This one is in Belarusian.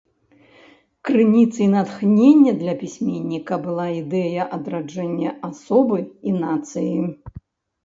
Крыніцай натхнення для пісьменніка была ідэя адраджэння асобы і нацыі.